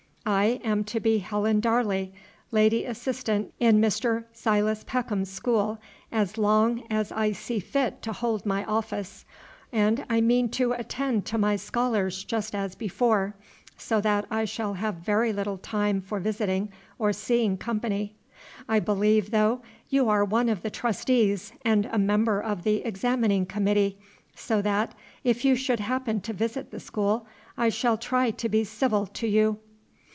I am to be Helen Darley, lady assistant in Mr. Silas Peckham's school, as long as I see fit to hold my office. And I mean to attend to my scholars just as before; so that I shall have very little time for visiting or seeing company. I believe, though, you are one of the Trustees and a Member of the Examining Committee; so that, if you should happen to visit the school, I shall try to be civil to you."